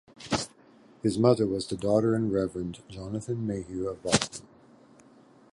His mother was the daughter of Reverend Jonathan Mayhew of Boston.